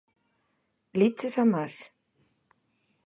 ¿Liches a Marx?